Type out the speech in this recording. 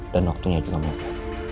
dan waktunya juga mau berose